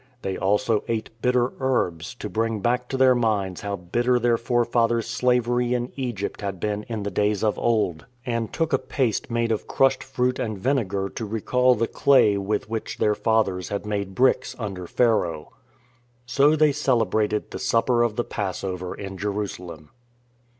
They also ate bitter herbs to bring back to their minds how bitter their fore fathers' slavery in Egypt had been in the days of old; 60 IN TRAINING and took a paste made of crushed fruit and vinegar to recall the clay with which their fathers had made bricks under Pharaoh. So they celebrated the Supper of the Passover in Jerusalem.